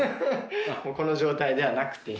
この状態ではなくて。